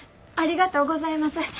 ありがとうございます。